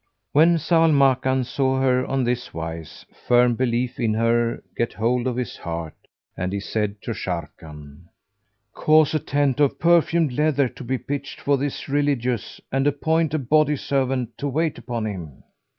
When Zau al Makan saw her on this wise, firm belief in her get hold of his heart and he said to Sharrkan, "Cause a tent of perfumed leather to be pitched for this Religious, and appoint a body servant to wait upon him."